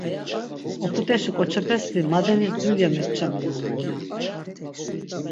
Op̆ut̆eşi k̆oçepesti madenis dulya mepçaminonan ya...